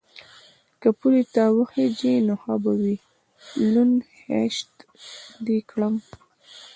_که پولې ته وخېژې نو ښه به وي، لوند خيشت دې کړم.